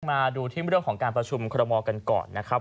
มาดูที่เรื่องของการประชุมคอรมอลกันก่อนนะครับ